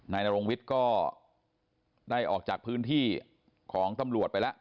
นายนรงวิทย์ก็ได้ออกจากพื้นที่ของตำรวจไปแล้ว